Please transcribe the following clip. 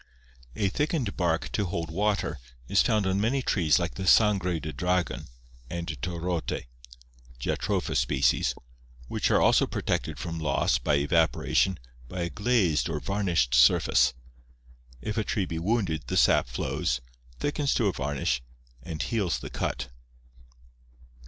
A thickened bark to hold water is found on many trees like the sangre de dragon and torote {Jatropha spp.) which are also pro tected from loss by evaporation by a glazed or varnished surface. If a tree be wounded the sap flows, thickens to a varnish, and heals the cut.